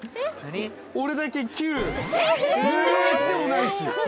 俺だけＱ。